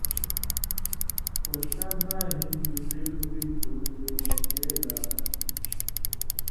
کوہستان ناں ہِن جو لیل ہُوئ تُھو چے اُو گِشے علاقہ تھی۔